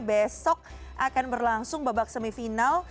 besok akan berlangsung babak semifinal